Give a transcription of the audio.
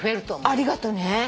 ありがとね。